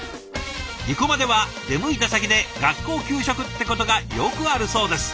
生駒では出向いた先で学校給食ってことがよくあるそうです。